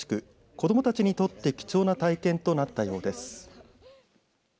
子どもたちにとって貴重な体験となったようです。